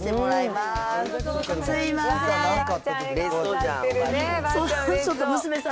すみません。